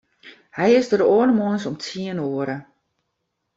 Hy is der de oare moarns om tsien oere.